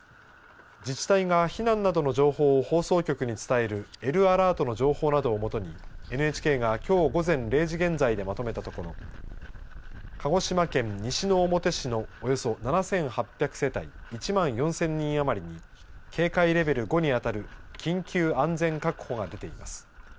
自治体が避難などの情報を放送局に伝えるＬアラートの情報などを基にＮＨＫがきょう午前０時現在でまとめたところ鹿児島県西之表市のおよそ７８００世帯１万４０００人余りに警戒レベル５に当たる緊急安全確保が出ています。